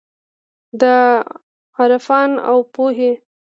د عرفان اوپو هي